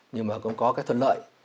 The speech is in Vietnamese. nhưng mà cũng có cái thuận lợi